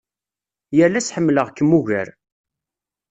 Yal ass ḥemmleɣ-kem ugar.